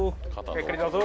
ゆっくりどうぞ。